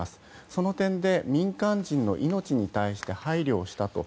その点で民間人の命に対して配慮をしたと。